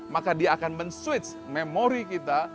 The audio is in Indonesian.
maka dia akan men switch memori kita